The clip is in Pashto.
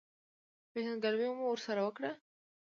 پېژندګلوي مو ورسره وکړه.